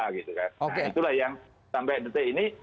nah itulah yang sampai detik ini